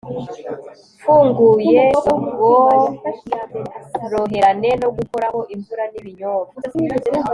mfunguye ubworoherane no gukoraho imvura n'ibinyobwa